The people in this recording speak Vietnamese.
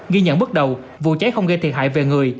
ghi nhận bước đầu vụ cháy không gây thiệt hại về người